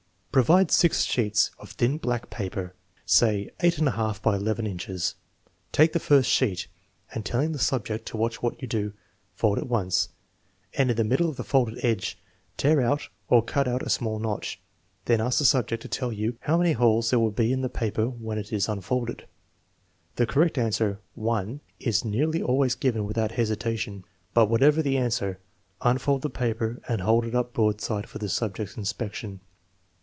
Provide six sheets of thin blank paper, say 8% X H inches. Take the first sheet, and telling the sub ject to watch what you do, fold it once, and in the middle of the folded edge tear out or cut out a small notch; then ask the subject to tell you how many holes there will b$ in the paper when it is unfolded* The correct answer, one, is nearly always given without hesitation. But whatever the answer, unfold the paper and hold it up broadside for the subject's inspection.